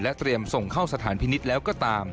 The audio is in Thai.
เตรียมส่งเข้าสถานพินิษฐ์แล้วก็ตาม